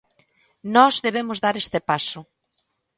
Nós debemos dar este paso.